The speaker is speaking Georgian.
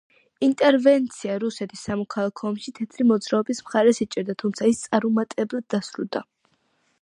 ინტერვენცია რუსეთის სამოქალაქო ომში, თეთრი მოძრაობის მხარეს იჭერდა, თუმცა ის წარუმატებლად დასრულდა.